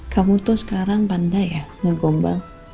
kamu tuh sekarang pandai ya ngegombang